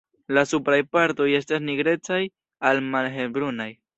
La supraj partoj estas nigrecaj al malhelbrunaj.